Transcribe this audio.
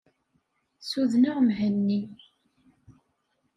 Ssudneɣ Mhenni.